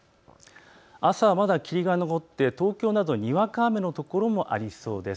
朝はまだ霧が残って東京などにわか雨の所もありそうです。